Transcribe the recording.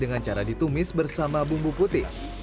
dengan cara ditumis bersama bumbu putih